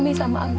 umih sama aku